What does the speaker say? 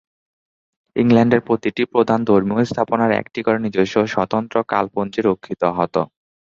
ইংল্যান্ডের প্রতিটি প্রধান ধর্মীয় স্থাপনায় একটি করে নিজস্ব ও স্বতন্ত্র কালপঞ্জি রক্ষিত হত।